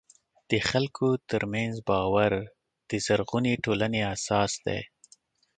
د خلکو ترمنځ باور د زرغونې ټولنې اساس دی.